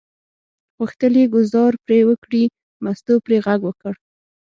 غوښتل یې ګوزار پرې وکړي، مستو پرې غږ وکړ.